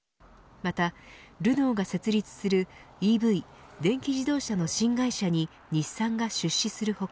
また、ルノーが設立するＥＶ、電気自動車の新会社に日産が出資する他